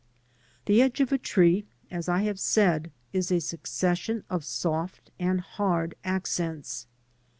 The edge of a tree, as I have said, is a succession of soft and hard accents.